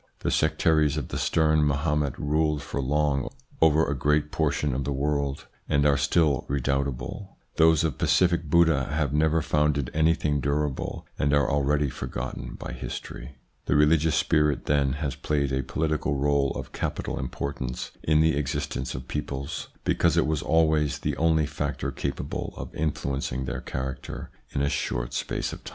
The sectaries of the stern Mahomet ruled for long over a great portion of the world, and are still redoubtable ; those of pacific Buddha have never founded anything durable, and are already forgotten by history. The religious spirit then has played a political role of capital importance in the existence of peoples, because it was always the only factor capable of influencing their character in a short space of time.